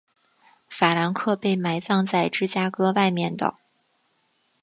法兰克被埋葬在芝加哥外面的。